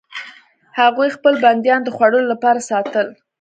هغوی خپل بندیان د خوړلو لپاره ساتل.